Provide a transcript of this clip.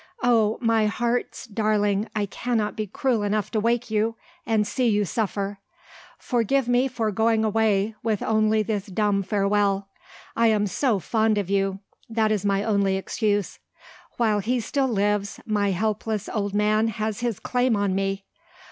Oh, my heart's darling, I cannot be cruel enough to wake you, and see you suffer! Forgive me for going away, with only this dumb farewell. I am so fond of you that is my only excuse. While he still lives, my helpless old man has his claim on me.